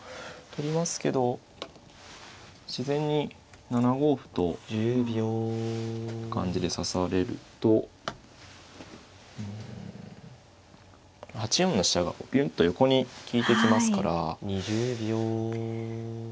取りますけど自然に７五歩という感じで指されるとうん８四の飛車がビュンと横に利いてきますから。